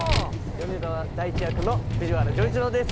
米澤大地役の藤原丈一郎です